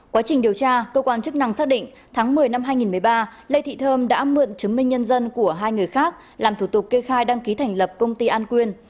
quá trình điều tra cơ quan chức năng xác định tháng một mươi năm hai nghìn một mươi ba lê thị thơm đã mượn chứng minh nhân dân của hai người khác làm thủ tục kê khai đăng ký thành lập công ty an quyên